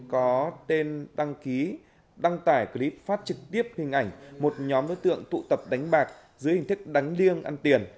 có tên đăng ký đăng tải clip phát trực tiếp hình ảnh một nhóm đối tượng tụ tập đánh bạc dưới hình thức đánh liêng ăn tiền